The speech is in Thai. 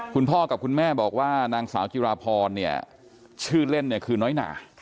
คุณพ่อกับคุณแม่บอกว่านางสาวจิราพรเนี่ยชื่อเล่นเนี่ยคือน้อยหนา